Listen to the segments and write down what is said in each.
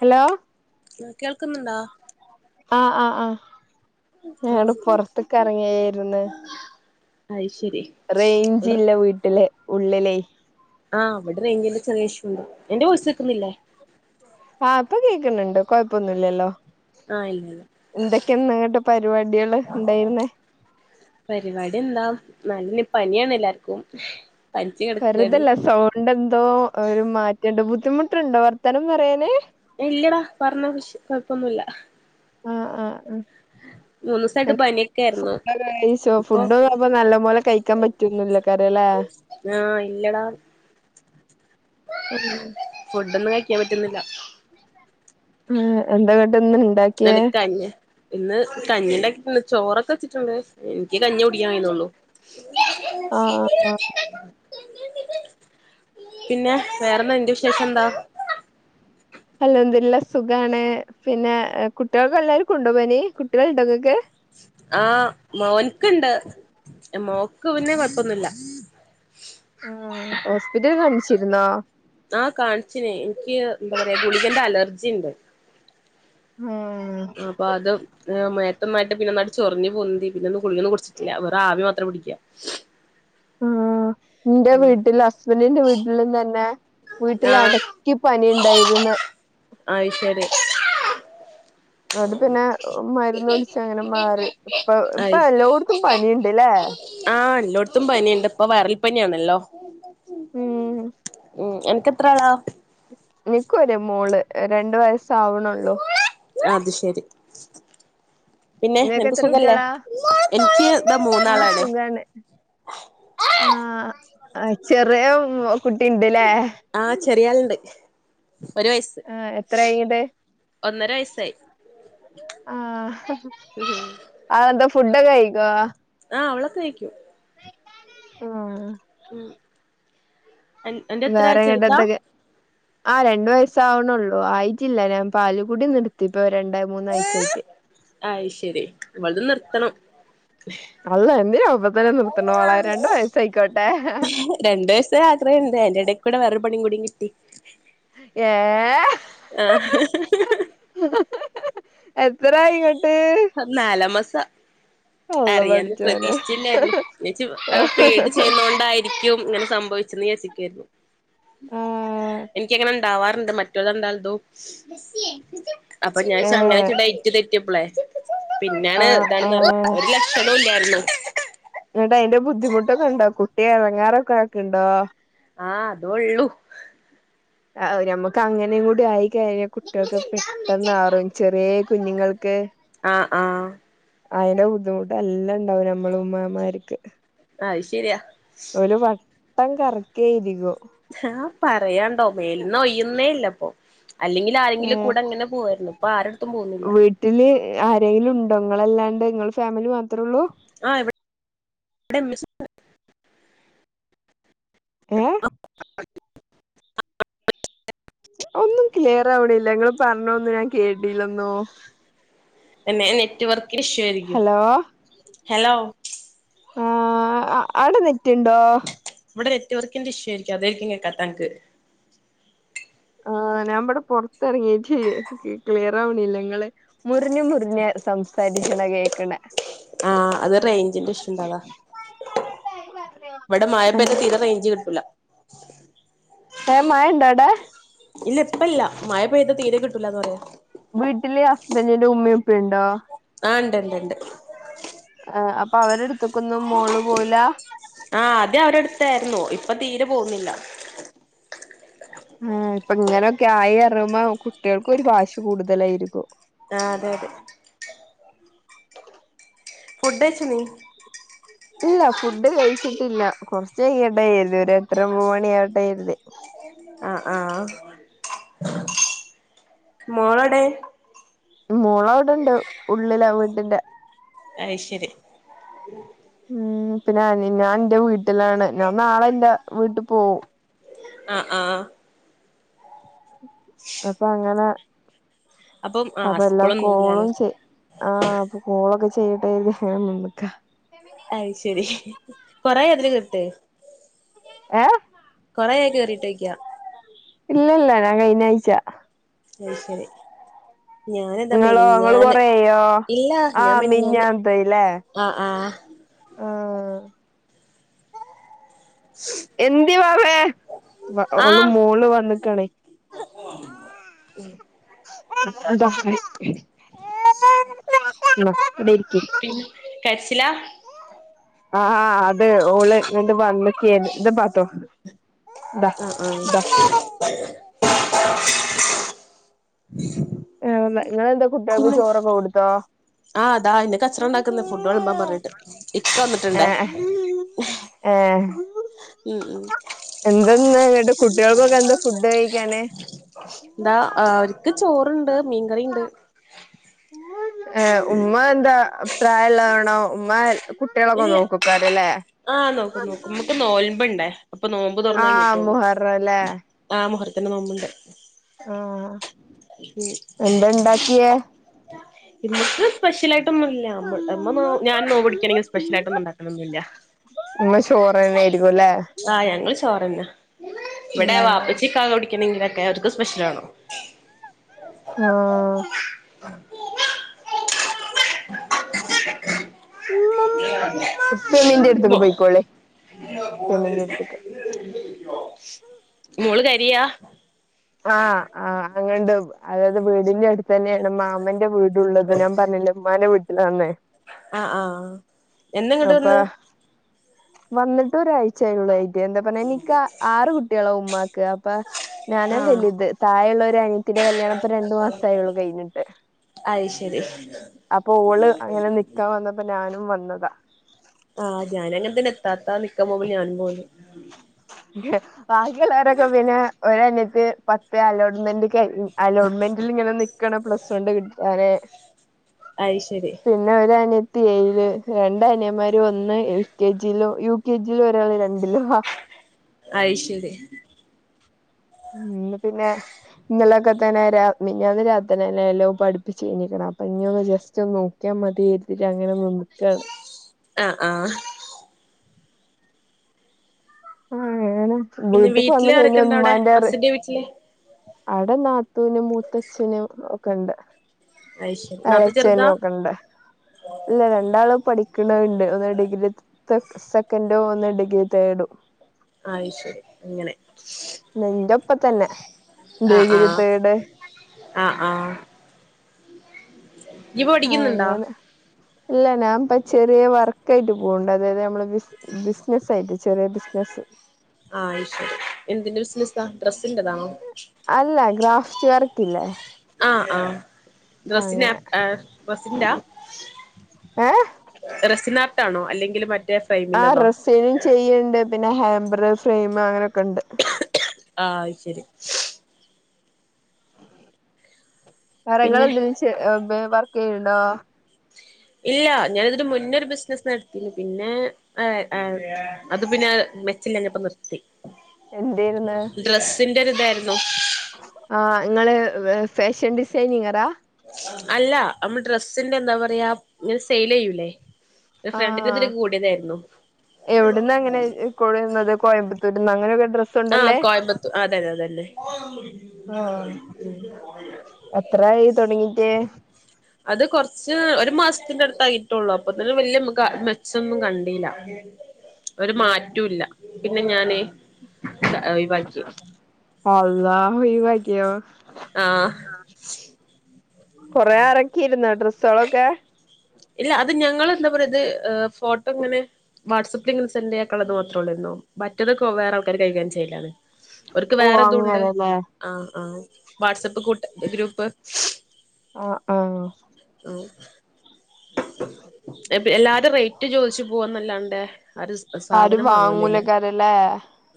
Hello കേൾക്കുന്നുണ്ടാ ആഹ് ആഹ്ആഹ് ഞാൻ ആഹ് പുറത്തക്ക് ഇറങ്ങിയായിന്ന് അയ് ശെരി റേഞ്ച് ഇല്ല വീട്ടിലെ ഉള്ളിലേ ആഹ് അവിടെ റേഞ്ച്ന്റെ ചെറിയ ഇഷു ഉണ്ട് എന്റെ വോയിസ്‌ കേൾക്കുന്നില്ലേ ആഹ് ഇപ്പൊ കേൾക്കുന്നുണ്ട് കൊഴപ്പൊന്നുല്ലല്ലോ ആഹ് ഇല്ല ഇല്ല എന്തൊക്കെ ഇന്ന് പരിപാടികള് ഉണ്ടായിരുന്നേ പരിപാടി എന്താ നല്ല പനിയാണ് എല്ലാർക്കും പനിച്ച് കിടക്കാണ് വെറുതല്ല സൗണ്ട് എന്തോ ഒരു മാറ്റേണ്ട് ബുദ്ധിമുട്ടുണ്ടോ വർത്തനം പറയാന് ഇല്ലടാ പറഞ്ഞ കൊഴപ്പൊന്നു മില്ല ആഹ് ആഹ് മൂന്ന് ദിവസായിട്ട് അഹ് പനിയൊക്കെ ആയിരുന്നു ഫുഡൊക്കെ കഴിച്ചോ ഇപ്പൊ ഫുഡൊന്നും അപ്പ നല്ല പോല്ലേ കഴിക്കാൻ പറ്റുന്നില്ലായികാര്യം അല്ലെ ആ ഇല്ലടാ ഉ ഫുഡൊന്നും കഴിക്കാൻ പറ്റുന്നില്ല ആ എന്താ ഇന്ന് ഉണ്ടാക്കിയെ എനക് കഞ്ഞിയ ഇന്ന് കഞ്ഞി ഇണ്ടാക്കിണ് ചോറൊക്കെ വെച്ചിട്ണ്ട് എനിക്ക് കഞ്ഞ്യേ കുടിക്കാൻ കഴിയുന്നുള്ളു. ആഹ് ആഹ് ഉ [inaudible] പിന്നെ വേറെന്താ നിന്റെ വിശേഷം എന്താ? അൽഹംദുലില്ലാഹ് സുഖാണ് പിന്നെ കുട്ട്യാൾക്ക് എല്ലാർക്കുംണ്ടോ പനി കുട്ട്യാള്ണ്ടോ ഇങ്ങക്ക്? ആഹ് മോൻക്ക്ണ്ട് മോക്ക് പിന്നെ കൊഴപ്പൊന്നുല്ല. ആഹ് ഹോസ്പിറ്റൽ കാണിച്ചിരുന്നോ? ആഹ് കാണിച്ചിനി എൻക്കി എന്താ പറയാ ഗുളികന്റെ അലർജിണ്ട്. ആഹ് അപ്പൊഅതും ഏഹ് മേതോന്നായിട്ട് പിന്നൊന്നായ്ട്ട് ചൊറിഞ്ഞു പൊന്തി പിന്നും കുളികന്നും കുടിച്ചിട്ടില്ല വേറ ആവി മാത്രം പിടിക്ക്യ. ആഹ് ഇന്റെ വീട്ട്ലും ഹസ്ബന്റിന്റെ വീട്ടിലും തന്നെ വീട്ടില് ആഹ് അടക്കി പനി ഇണ്ടായിര്ന്ന്. ആത് ശരി. ഇങ്ങട്ട് പിന്നെ മരുന്ന് കുട്ച്ചങ്ങനെ മാറി ഇപ്പ ഇപ്പ അയ് എല്ലോട്ത്തും പനിണ്ട്ല്ലേ? ആഹ് എല്ലാട്‌ത്തും പനിണ്ട് ഇപ്പൊ വൈറൽ പനി ആണല്ലോ. ഉം ഉം. ഉ അൻക്ക് എത്ര ആളാ? ഇൻക് ഒര് മോള് രണ്ട് വയസ്സ ആ വ്ണള്ളൂ. അത് ശരി. പിന്നെ ഇങ്ങക്ക് നിനക്ക് എത്ര സുഖല്ലേ? കുട്ട്യാളാ? എനിക്ക് ഇതാ മൂന്നാളാണ്. [unintelligible] ആഹ് ചെറ്യാ കുട്ടിണ്ട്ല്ലേ? ആഹ് ചെറ്യാളുണ്ട്. ഒരു വയസ് ആഹ് എത്രായി ന്നട്ട്? ഒന്നര വയസായി. ആഹ് അതെന്ത ഫു ഡൊക്കെ കഴിക്കോ? ആഹ് അവളൊക്കെ കഴിക്കും. ആഹ്. ഉം അന്റെ എത്ര ചെർതാ? [inaudible] ആഹ് രണ്ട് വയസ്സാവണൊള്ളൂ ആയിട്ടില്ല ഞാൻ പാല്കുടി നിർത്തി ഇപ്പൊ രണ്ട മൂന്നാഴ്ച ആയിട്ട്. അത് ശരി ഇവൾത് നിർത്തണം. അല്ലാഹ് എന്തിനാ ഇപ്പോ തന്നെ നിർത്തണമളെ രണ്ടു വയസ്സ് അയിക്കോട്ടെ. രണ്ടു വയസ്സ് ആഗ്രഹണ്ട് അയിന്റെ ടേക്കൂടെ വേറെ പണീം കൂടി കിട്ടി. ഏഹ് ആഹ് എത്രായിങ്ങട്ട്? നാലാമാസാ. അള്ളാ അറിയാണ്ട് പടച്ചോനെ പ്രതീക്ഷിച്ചില്ലായിരുന്നുച് ഫീഡ് ചെയ്യുന്നോണ്ടായി രിക്കും ഇങ്ങനെ സംഭവിച്ചെന്ന് വിചാരിക്കെനി. ആ ഇനിക്ക്ങ്ങനെ ഇണ്ടാവാറ്ണ്ട് മറ്റൊ ളത് രണ്ടാൾത്തും. അപ്പൊ ഞാൻ ഏ [unintelligible] തെറ്റ്യപ്ലെ ആ പിന്നെണ് ആ ഇതാണ് ലക്ഷണോം ഇല്ലായിരുന്നു. എന്നിട്ട് അയ്ന്റെ ബുദ്ധിമുട്ടൊക്കെ ഉണ്ടോ കുട്ടി എടങ്ങാറൊക്കെ ആക്ക്ണ്ടോ? ആഹ് അതൊള്ളു. ആഹ് നമ്മുക്ക് അങ്ങനെയും കൂടി ആയി കഴിഞ്ഞാ കുട്ട്യൾക്ക് പെട്ടെന്നറിം ചെറ്യേ കുഞ്ഞുങ്ങൾക്ക്. ആഹ് ആഹ്. അയിന്റെ ബുദ്ധിമുട്ട് എല്ലാം ഉണ്ടാവും ഞമ്മള ഉമ്മാമാർക്ക് അയ്ശേരിയാ ഇന്നേ വട്ടം കറക്കയിരിക്കും ആഹ് പറയാണ്ടോ മേൽന്നു ഒയ്യുന്നേ ഇല്ലപ്പോ അല്ലെങ്കി ഇല്ല ആരെങ്കിലും ഏ കൂടെ അങ്ങനെ പോയിരുന്നു പ്പൊ ആരടത്തും പോകുന്നില്ല വീട്ടില് ആരെങ്കിലും ണ്ടോ നിങ്ങളല്ലാണ്ട് നിങ്ങൾ ഫാമിലി മാത്രെ ള്ളൂ ആഹ് ഇവിടെ ഇമ്മച് [unintelligible] [inaudible] ഒന്നും ക്ലിയർവണില്ല ങ്ങള് പറഞ്ഞൊന്നും ഞാൻ കേട്ടില്ലെന്നു. പിന്നെ നെറ്റ് വർ ഹലോ ആഹ് അവിടെനെറ്റ് ണ്ടൊ ഇവിടെ നെറ്റവർക്കിന്റെ ഇഷുവാ യിരിക്കും അതായിരിക്കും കേക്കാത്തൻക് ആഹ് ഇവിടെ പൊറത്തിറങ്ങീട്ട് ക്ലിയർ ആവണില്ല നിങ്ങളെ മുറിഞ് മുറിഞ് സംസാരിക്കണ കേക്കണ ആഹ് അത് റേഞ്ചിന്റെ ഇഷ്യുണ്ട് അതാ ഇവിടെ മയപെയ്ത തീരെ റേഞ്ച് കിട്ടൂല ഏ മയൊണ്ടോ അടെ ഇല്ല പ്പല്ല മഴ പെയ്ത തീരെ കിട്ടൂല ന്ന് പറയാ വീട്ടില് ഹസ്ബന്റിന്റെ ഉമ്മീം ഉപ്പി ണ്ടോ? ആ ണ്ട്ണ്ട് ണ്ട് അപ്പൊ അവരെടുത്തക്കൊന്നും മോള് പോവൂല ആഹ് ആദ്യം അവരെ അടുത്തായിരുന്നു ഇപ്പൊ തീരെ പോവുന്നില്ല ആഹ് ഇപ്പ ഇങ്ങനൊക്കെ ആയി പറീം മ്പോ കുട്ടികൾക്കും ഒരു വാശി കൂടുതലായിരിക്കും ആഹ് അതെ അതെ ഫുഡ്ച്ച നീ ഇല്ല ഫുഡ് കഴിച്ചിട്ടില്ല കുറചയ്യട്ടെ ര്തി ഒരട്ടരഒമ്പത് മണി ആവട്ടൊയിരുതി ആഹ് ആഹ് മോളോടെ മോള അവിടെണ്ട് ഉള്ളില വീട്ടിന്റെ അയ്ശെരി ഉം പിന്നെ ഞാൻ എന്റെ വീട്ടിലാണ് ഞാൻ നാളെല്ല വീട്ടിൽ പോവും ആഹ് ആഹ് അപ്പൊങ്ങനെ അപ്പം അപ്പ ആഹ് എല്ലാ സ്കൂളൊന്നും ഇല്ലാലോ കോളും ചെയ ആഹ് അപ്പൊ കോളൊക്കെ ചെയ്ട്ടെതി അങ്ങനെ നിക്ക അയ് ശരി കൊറ അതില് കട്ട ഏഹ് കൊറയക്ക കയറിയിട്ട്യ്ക്കാ ഇല്ലല്ല ഞാൻ കഴിഞ്ഞ ആഴ്ച അയ്ശരി ഞന്താ ഇങ്ങളോ ഇങ്ങള് മെനിഞ്ഞാന് കൊറേയായോ ഇല്ല ഞാൻ ആഹ് മെനിഞ്ഞാന് മിഞ്ഞാന്നത്തേല്ലേ ആഹ് ആഹ് ആഹ് എന്തി വാവേ അവഓള് മോള് വന്നക്കണേ അപ്പ [unintelligible] [unintelligible] പിന്നെ കര്ച്ചില? ആഹ് ത് ത് ഓള് ങ്ങട്ട് വന്നക്കേനി അ [inaudible] [inaudible] ആഹ് ന്താ ഇങ്ങളെന്താ കുട്ട്യെക്ക് പിന്നെ ചോറൊക്കെ കൊട്ത്തോ? ആഹ് താ അയ്ന് കച്ചറണ്ടാക്ക്ന്ന് ഫുഡ് വെൾമ്പൻ പർഞ്ഞ്ട്ട് ഇപ്പ വന്നിട്ട്ണ്ടേ. ഏഹ് ഏഹ് ഉം ഉം എന്തന്ന്ങ്ങട്ട് കുട്ടികൾക്കൊക്കെന്താ ഫുഡ് കഴിക്കാന്? താ ആവര്ക്ക് ചോറ്ണ്ട് മീൻകറിയണ്ട്. ഏഹ് ഉമ്മ എന്താ പ്രാരായള്ളാണോ ഉമ്മ ഹെ കുട്ട്യേളൊക്കെ ഇല്ല നോക്കൊക്കാരല്ലേ. ക്ക് നോൽമ്പ്ണ്ടേ അപ്പൊ നോമ്പ് തൊർന്നഴിഞ്ഞിട്ടൊള്ളൂ മുഹറല്ലേ ആഹ് മുഹറത്തിന്റെ നോമ്പ്ണ്ട്. ആഹ് എന്താ ണ്ടാക്ക്യേ? ഇന്ന്ക്ക് സ്പെഷ്യലായിട്ടൊന്നുല്ല അമ്മ അമ്മ നോ ഞാൻ നോമ്പ്ടിക്കണെങ്കി സ് ഇന്ന് ചോറെന്നേര്ക്കുല്ലേ. ആഹ് ഞങ്ങൾ ചോറെന്നെ ഇവടെ ഉം വാപ്പച്ചിക്ക കുടിക്കണെങ്കിലൊക്കെ അവര്ക്ക് സ്പെഷ്യലാണം. ആഹ് ഫെമിന്റെ മോ അടുത്തേക്ക് പോയിക്കോളി ഫെമിന്റെ അടുത്തേക്ക് മോള് കരിയ? ആഹ് ആഹ് അങ്ങണ്ടും അതായത് വീടിന്റെ അട്ത്തെന്നെണ് മാമന്റെ വീ ട്ള്ളത് ഞാം പർഞ്ഞില്ലേ ഇമ്മാൻ്റെ വീട്ടിലാന്ന്. ആഹ് ആഹ്. എന്നാങ്ങട്ട് വന്ന്? വന്ന്ട്ട് ഒരാഴ്ചയൊള്ളു അയിറ്റ് എന്താ പർഞ്ഞ എനിക്ക ആറ് കുട്ട്യേള ഉമ്മാക്ക് അപ്പ ഞാന് ആഹ് വെല്ത് തായള്ളൊരനിയത്തിന്റെ കല്യാണം ഇപ്പ രണ്ടു മാസായൊള്ളൂ കഴിഞ്ഞിട്ട്. അയ് ശരി അപ്പൊള് അങ്ങനെ നിക്കാ വന്നപ്പോ ഞാനും വന്നതാ. ആഹ് ഞാനു അങ്ങൻ തെന്നെ ഇത്താത്ത നിക്ക പോവുമ്പോ ഞാനും പോയത്. [unintelligible] ബാക്കിള്ളരൊക്കെ പിന്നെ ഒരനിയത്തി പത്ത് അലോട്ട്മെൻ്റ് കയ് അലോട്ട്മെൻ്റിലി ങ്ങനെ നി ക്കാണ് പ്ലസ് വണ്ണ് കി [unintelligible] അയ് ശെരി. പിന്നെ ഒരു അനയത്തി ഏഴില് രണ്ട് അനയന്മാർ ഒന്ന് എൽ കെ ജിലോ യു കെ ജില് ഒരാള് രണ്ടിലും ഹ അയ് ശെരി ഉം ഇന്ന് പിന്നെ ഇന്നലൊക്കെ തന്നെ രാ മിഞ്ഞാന്ന് രാത്രി ഞാ നല്ലോം പഠിപ്പിച്ചീനി സലാത്ത് ങ്ങനെ ജസ്റ്റൊനോ നക്കാ മതി എരുതിട്ട് അങ്ങനെ മൻസിലാവൂല ആഹ് ആഹ് അങ്ങനെണ് വീട്ട്ക്ക് വന്ന് കഴിഞ്ഞ ഇമ്മാന്റെറ് ൻ്റെ വീച്ച്ല് അവടെ നാത്തൂനും മൂത്തച്ഛനും ഒക്കെ ണ്ട്. അയ് ശരി നാത്തൂൻ ചെറുതാ എളച്ചനൊക്കെണ്ട്. ഇല്ല രണ്ടാള് പഠിക്ക്ണെണ്ട് ഒന്ന് ഡിഗ്രി തെ സെക്കൻഡും ഒന്ന് ഡിഗ്രി തേഡ്. അയ് ശെരി അങ്ങനെ. നിന്റെ ഒപ്പ തന്നെ ആഹ് ഡിഗിരി ആഹ് തേട് ആഹ് ആഹ് ഇയ്യ് ഇപ്പോ പഠിക്കുന്നുണ്ടോ അങ്ങനെ ഇല്ല ഞാൻ ഇപ്പ ചെറിയ വർക്കായിട്ട് പോകണ്ട് അതായത് നമ്മള് ബിസ് ബിസിനസ് ആയിട്ട് ചെറിയ ബിസിനസ്സ് ആഹ് അതുശെരി എന്തിന്റെ ബിസിനസാ ഡ്രസ്സിന്റെതാണോ അല്ല ഗ്രാഫ്റ്റ് വർക്ക് ഇല്ലേ ആഹ് ആഹ് ഡ്രസിന ഡ്രസിന്റാ ഏ റെസിനാർട്ടാണോ അല്ലെങ്കിൽ മറ്റ ആഹ് റെസൈനും ചെയ്യണ്ട് പിന്നെ ഹാമ്പർ ഫ്രെയിം അങ്ങനെയൊക്കെ ഉണ്ട് ആഹ് അത്ശരി മരങ്ങൾ പിന്നെ എന്തന്ലും ചെ വർക്ക് ചെയ്യണ്ടോ ഇല്ല ഞാന ഇതിനു മുന്നൊരു ബിസിനസ്സ് നടത്തിനി പിന്നെ ആഹ് ആഹ് അത് പിന്നെ മെച്ചിലഞപ്പ നിർത്തി എന്തായിരിന്ന് ഡ്രെസ്സിന്റെ രുതാരുന്നു ആഹ് ഇങ്ങള് ഫാഷൻ ഡിസൈനിങ്ങറാ അല്ല നമ്മള് ഡ്രസ്സിന്റെ എന്താ പറയാ ഇങ്ങനെ സെയിൽ ചെയ്യൂല്ലേ ആഹ് എവിടന്ന് എങ്ങനെയായി കൊഴുന്നത് കോയമ്പത്തൂർന്ന് അങ്ങനെയൊക്കെ ഡ്രസ് ആഹ് കോയമ്പത്തൂർ അതന്നെ അതന്നെ ആഹ് എത്രായി തുടങ്ങിട്ടേ അത് കൊറച്ച് ഒരു മാസത്തിന്റെ അടുത്തായിട്ടള്ളൂ അപ്പൊതന്ന് വല്യയ മ്മക്ക മെച്ചൊന്നും കണ്ടില്ല ഒരു മാറ്റല്ല പിന്നെ ഞാന് ഈ അല്ലഹുഒഴിവാക്കിയോ ആഹ് കൊറെ ഇറക്കിയിരുന്ന ഡ്രസ്സോളൊക്കെ ഇല്ല അത് ഞങ്ങൾ എന്താ പറയത് ഫോട്ടോ ഇങ്ങനെ വാട്സആപ്പിൽ ഇങ്ങനെ സെന്റ് ചെയ്യാക്കുള്ളത്ത്രേള്ളർന്നു മറ്റതൊക്കെ വേറെ ആൾക്കാര് കൈകാര്യം ചെയ്യലാണ് ഓർക്ക് ഓ വേറെതും ഉണ്ട് അങ്ങനെല്ലേ ആഹ് ആഹ് വാട്സആപ്പ് കൂട്ട ഗ്രൂപ്പ് ആഹ് ആഹ് എല്ലാരും റേറ്റ് ചോയ്ച്ച് പോവന്നല്ലാണ്ടേ ആരും സ് ആരും വാങ്ങൂലേ കാരല്ലേ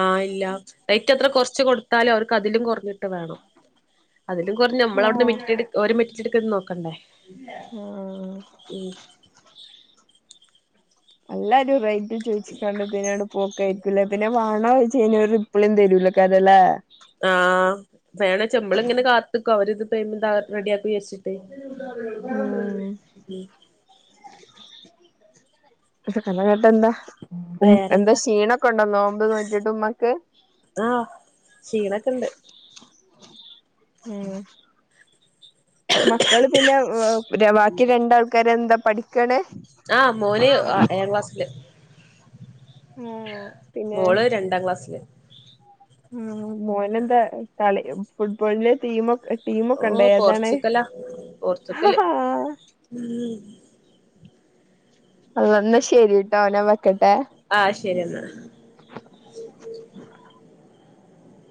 ആഹ് ഇല്ല റേറ്റ് എത്ര കുറച്ച് കൊടുത്താലും അവർക്ക് അതിലും കുറഞ്ഞിട്ട് വേണം അതിലും കൊറഞ് നമ്മള അവിടുന്ന് ആഹ് മെറ്റിെടു ഒരു മെറ്റിട്ടെടുക്കന്ന് നോക്കണ്ടേ ആഹ് ഉം എല്ലാരും റേറ്റ് ചോയ്ച്ച്ക്കാണ്ട് പിന്നട്ട് പോക്കായിരിക്കും പിന്നെ വാണോയ്ച്ചയിഞ്ഞ ഒരു റിപ്ലൈ തരൂലേകാരം ല്ലേ ആഹ് വേണോച്ചമ്മള് ങ്ങനെ കാത്ക്കും അവരിത് പേയ്മെന്റ് റെഡിയാക്കി വിജാരിച്ച് [inaudible] കണ കട്ട എന്താ ഉം എന്താ വേറെന്താ ക്ഷീണൊക്കെ ഉണ്ടോ നോമ്പോ നോറ്റിട്ട് ഉമ്മക്ക് ആഹ് ക്ഷീണൊക്കെണ്ട് ഉം മക്കള് പിന്നെ ബാക്കി രണ്ടാൾക്കാര് എന്താ പഠിക്കാണ് ആഹ് മോന് ഏഴാം ക്ലാസ്സില് പിന്നെ മോള് രണ്ടാം ക്ലാസ്സില് ഉം മോനെന്താ കളി ഫുട്ബോളിന്റെ ടീമ ടീമൊക്കെണ്ടോ ഓഹ് ഏതാണ് പോർച്ചുഗലാ ഉം [unintelligible] ശരിട്ടോ ഞാൻ വെക്കട്ടെ ആഹ് ശരിഎന്നാ